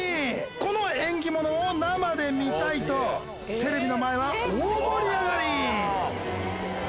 この縁起物を生で見たいとテレビの前は大盛り上がり！